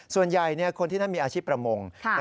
ส่วนใหญ่คนที่นั่นมีอาชีพประมง